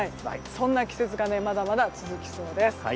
そんな季節がまだまだ続きそうです。